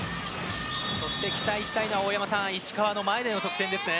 期待したいのは大山さん石川の得点ですね。